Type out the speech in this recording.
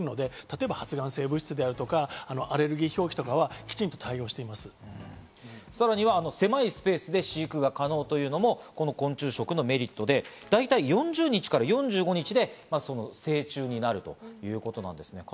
それに対する規制も明文化されているので、例えば発がん性物質とか、アレルギー表記とかは、きちんと対応しさらには狭いスペースで飼育が可能というのも、この昆虫食のメリットで、大体４０日から４５日で成虫になるということなんですね。